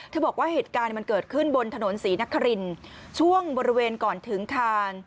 บอกว่าเหตุการณ์มันเกิดขึ้นบนถนนศรีนครินช่วงบริเวณก่อนถึงคาน